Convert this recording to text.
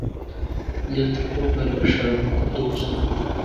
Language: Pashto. دلته کور د بشردوستو